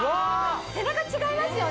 背中違いますよね？